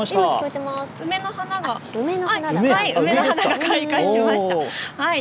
梅の花が開花しました。